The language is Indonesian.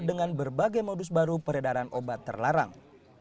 dengan berbagai modus baru peredaran obat terlarang